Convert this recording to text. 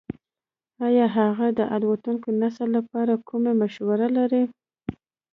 ایا هغه د راتلونکي نسل لپاره کومه مشوره لري ?